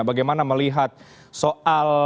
bagaimana melihat soal